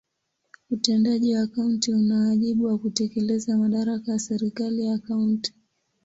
Utendaji wa kaunti una wajibu wa kutekeleza madaraka ya serikali ya kaunti.